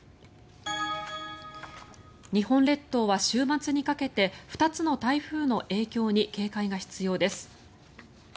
日本列島は週末にかけて２つの台風の影響に警戒が必要です。